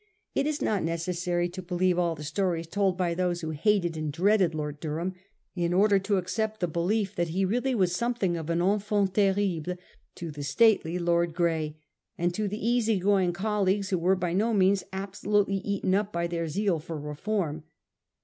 It is not necessary to believe all the stories told by those who hated and dreaded Lord Durham, in order to accept the belief that he really was somewhat of an enfant terrible to the stately Lord Grey, and to the easy going colleagues who were by no means absolutely eaten up by their zeal for re form.